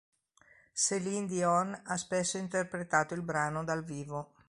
Céline Dion ha spesso interpretato il brano dal vivo.